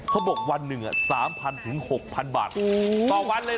ก็บอกวันนึง๓๐๐๐๖๐๐๐บาทต่อวันเลยนะ